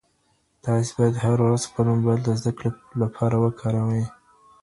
تاسي باید هره ورځ خپل موبایل د زده کړې لپاره وکاروئ.